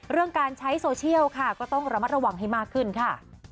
การใช้โซเชียลค่ะก็ต้องระมัดระวังให้มากขึ้นค่ะ